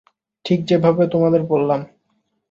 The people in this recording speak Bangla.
ঠিক যে ভাবে তোমাদের বললাম।